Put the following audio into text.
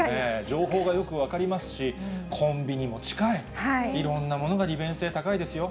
情報がよく分かりますし、コンビニも近い、いろんなものが利便性高いですよ。